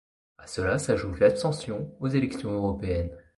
À cela, s'ajoute l'abstention aux élections européennes.